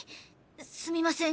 すみません